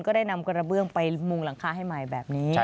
ได้นำกระเบื้องไปมุงหลังคาให้ใหม่แบบนี้